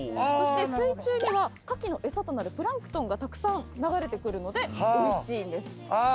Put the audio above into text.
そして水中にはカキの餌となるプランクトンがたくさん流れてくるのでおいしいんです。